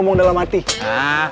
neng banget sudah